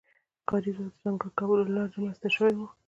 د کاري ځواک د ځانګړي کولو له لارې رامنځته شوې وه.